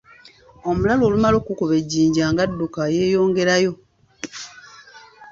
Omulalu olumala okukuba ejjinja nga adduka yeeyongerayo.